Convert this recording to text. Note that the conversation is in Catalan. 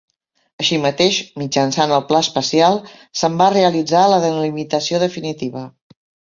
Així mateix, mitjançant el Pla especial se’n va realitzar la delimitació definitiva.